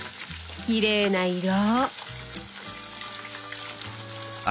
きれいな色。